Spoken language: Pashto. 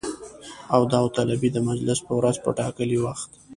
او د داوطلبۍ د مجلس په ورځ په ټاکلي وخت